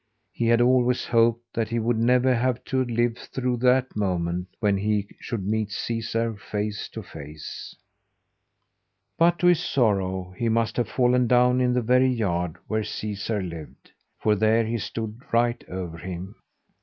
He had always hoped that he would never have to live through that moment when he should meet Caesar face to face. But, to his sorrow, he must have fallen down in the very yard where Caesar lived, for there he stood right over him.